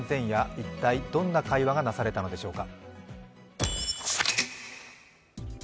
一体どんな会話がなされたのでしょうか。